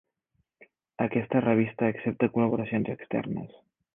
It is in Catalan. Aquesta revista accepta col·laboracions externes.